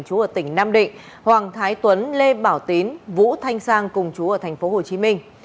chú ở tỉnh nam định hoàng thái tuấn lê bảo tín vũ thanh sang cùng chú ở thành phố hồ chí minh